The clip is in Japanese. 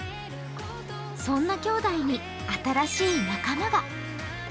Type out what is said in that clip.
そんな兄弟に新しい仲間が。